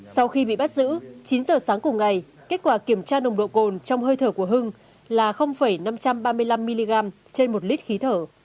sau khi bị bắt giữ chín giờ sáng cùng ngày kết quả kiểm tra nồng độ cồn trong hơi thở của hưng là năm trăm ba mươi năm mg trên một lít khí thở